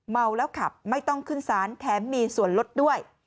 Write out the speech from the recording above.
เมาแล้วขับไม่ต้องขึ้นสารแถมมีส่วนลดด้วย